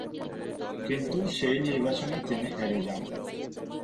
কিন্তু সেই নির্বাচনে উনি হেরে যান।